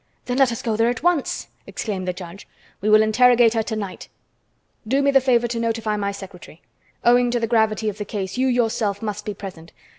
"Then let us go there at once!" exclaimed the judge. "We will interrogate her to night. Do me the favor to notify my secretary. Owing to the gravity of the case, you yourself must be present.